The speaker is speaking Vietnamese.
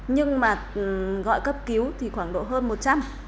nhưng mà gọi cấp cứu thì khoảng độ hơn một trăm linh